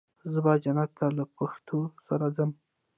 زه به جنت ته له پښتو سره ځم.